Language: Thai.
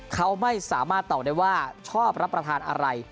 เขาไม่สามารถตอบได้ว่าชอบรับประทานอะไร